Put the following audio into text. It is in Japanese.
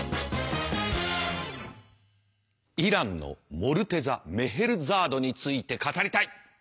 イランのモルテザ・メヘルザードについて語りたい！